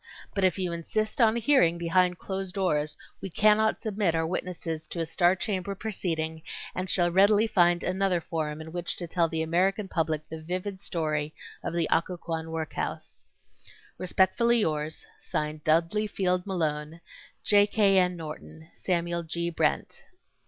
But if you insist on a hearing behind closed doors we cannot submit our witnesses to a star chamber proceeding and shall readily find another forum in which to tell the American public the vivid story of the Occoquan work house. Respectfully yours, (Signed) DUDLEY FIELD MALONE, J. K. N. NORTON, SAMUEL G. BRENT.